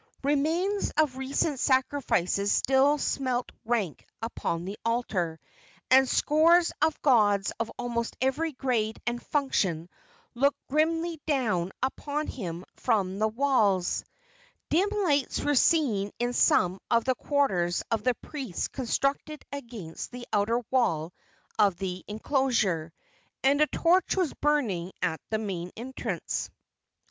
Remains of recent sacrifices still smelt rank upon the altar, and scores of gods of almost every grade and function looked grimly down upon him from the walls. Dim lights were seen in some of the quarters of the priests constructed against the outer wall of the enclosure, and a torch was burning at the main entrance.